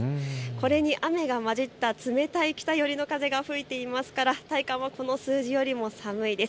これに雨が交じった冷たい北寄りの風が吹いていますから体感もこの数字よりも寒いです。